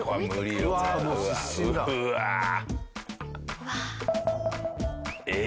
うわ。ええ？